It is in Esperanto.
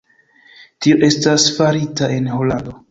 Tio estas farita en Holando.